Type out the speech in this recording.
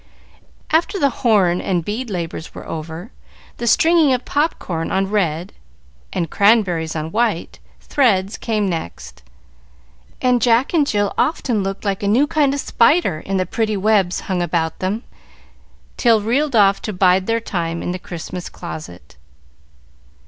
After the horn and bead labors were over, the stringing of pop corn on red, and cranberries on white, threads, came next, and Jack and Jill often looked like a new kind of spider in the pretty webs hung about them, till reeled off to bide their time in the Christmas closet.